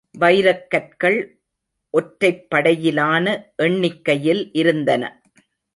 வைரக் கற்கள் ஒற்றைப் படையிலான எண்ணிக்கையில் இருந்தன.